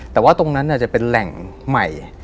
แต่ว่าตรงนั้นจะเป็นแหล่งใหม่